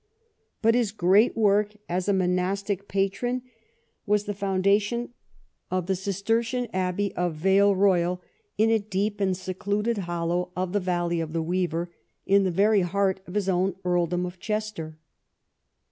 But his great work as a monastic patron was the founda tion of the Cistercian abbej^ of Vale Eoyal, in a deep and secluded holloAv of the valley of the Weaver, in the very heart of his own earldom of Chester.